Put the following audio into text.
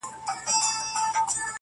• انګازې به یې خپرې سوې په درو کي -